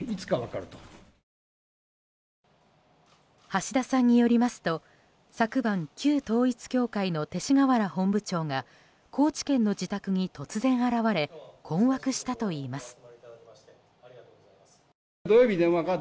橋田さんによりますと昨晩、旧統一教会の勅使河原本部長が高知県の自宅に突然現れ困惑したといいます。